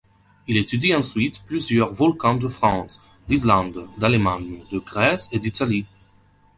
Il étudie ensuite plusieurs volcans de France, d'Islande, d'Allemagne, de Grèce et d'Italie.